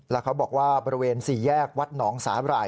แล้วเขาบอกว่าบริเวณ๔แยกวัดหนองสาหร่าย